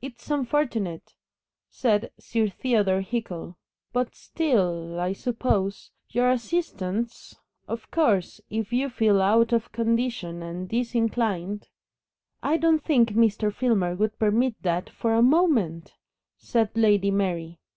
"It's unfortunate," said Sir Theodore Hickle; "but still I suppose Your assistants Of course, if you feel out of condition and disinclined " "I don't think Mr. Filmer would permit THAT for a moment," said Lady Mary.